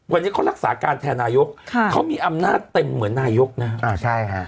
วันนี้เขารักษาการแทนนายกค่ะเขามีอำนาจเต็มเหมือนนายกนะอ่าใช่ฮะ